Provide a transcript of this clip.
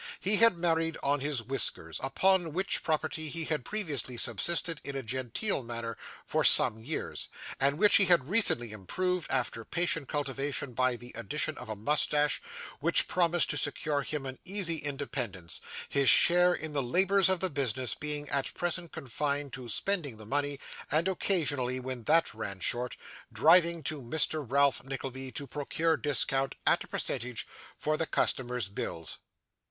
He had married on his whiskers; upon which property he had previously subsisted, in a genteel manner, for some years; and which he had recently improved, after patient cultivation by the addition of a moustache, which promised to secure him an easy independence: his share in the labours of the business being at present confined to spending the money, and occasionally, when that ran short, driving to Mr. Ralph Nickleby to procure discount at a percentage for the customers' bills.